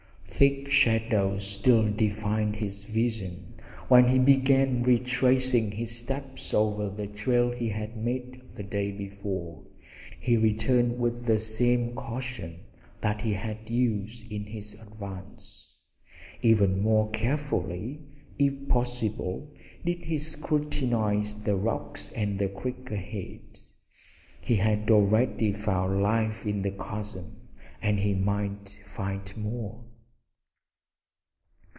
Thick shadows still defied his vision when he began retracing his steps over the trail he had made the day before. He returned with the same caution that he had used in his advance. Even more carefully, if possible, did he scrutinize the rocks and the creek ahead. He had already found life in the chasm, and he might find more.